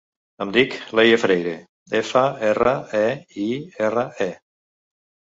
Em dic Leia Freire: efa, erra, e, i, erra, e.